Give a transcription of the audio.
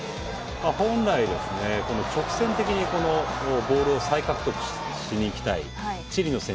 本来直線的にボールを再獲得しにいきたいチリの選手たちを。